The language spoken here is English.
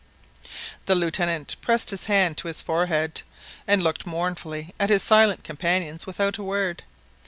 The Lieutenant pressed his hand to his forehead, and looked mournfully at his silent companions without a word.